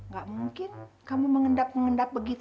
gak mungkin kamu mengendap mengendap begitu